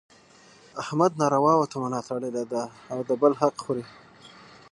احمد نارواوو ته ملا تړلې ده او د بل حق خوري.